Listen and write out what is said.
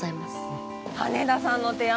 うん羽田さんの提案